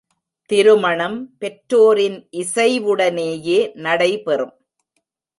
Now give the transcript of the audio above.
திருமணம் பெற்றோரின் இசைவுடனேயே நடைபெறும்.